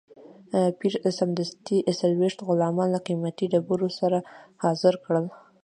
پیري سمدستي څلوېښت غلامان له قیمتي ډبرو سره حاضر کړل.